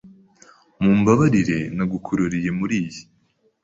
Mumbabarire nagukururiye muriyi.